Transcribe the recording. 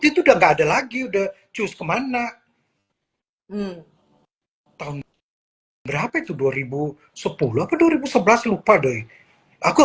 itu udah nggak ada lagi udah cus ke mana tahun berapa itu dua ribu sepuluh dua ribu sebelas lupa doi aku